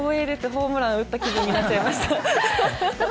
ホームラン打った気分になっちゃいました。